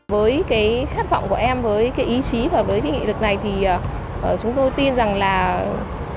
với cái khát vọng của em với cái ý chí và với cái nghị lực này thì chúng tôi tin rằng là trong tương lai thì em sẽ đạt được những cống hiến